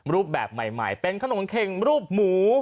รูปแบบใหม่เป็นขนมเข็งรูปหมู